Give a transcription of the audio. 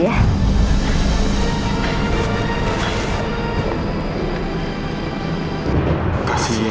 tidak ada yang bisa dihukum